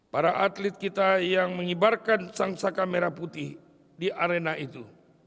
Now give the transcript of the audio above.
para atlet kita yang mengibarkan sang saka merah putih di arena itu